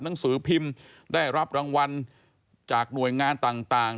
หนังสือพิมพ์ได้รับรางวัลจากหน่วยงานต่าง